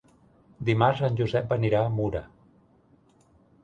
Dimarts en Josep anirà a Mura.